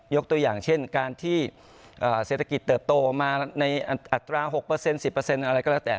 ตัวอย่างเช่นการที่เศรษฐกิจเติบโตมาในอัตรา๖๑๐อะไรก็แล้วแต่